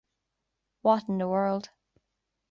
What in the world?